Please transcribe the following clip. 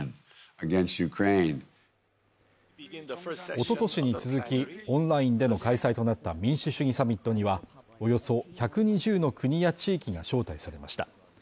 一昨年に続きオンラインでの開催となった民主主義サミットにはおよそ１２０の国や地域が招待されました。